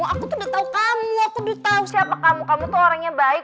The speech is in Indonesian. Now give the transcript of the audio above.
aku tuh udah tau kamu aku udah tau siapa kamu kamu tuh orangnya baik